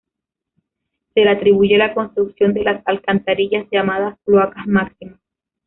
Se le atribuye la construcción de las alcantarillas llamadas "Cloaca Maxima".